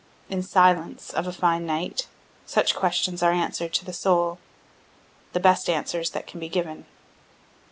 In silence, of a fine night, such questions are answer'd to the soul, the best answers that can be given.